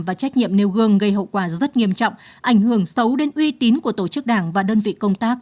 và trách nhiệm nêu gương gây hậu quả rất nghiêm trọng ảnh hưởng xấu đến uy tín của tổ chức đảng và đơn vị công tác